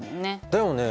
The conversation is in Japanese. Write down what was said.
だよね？